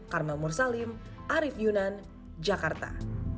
karmel mursalim arief yunan jakarta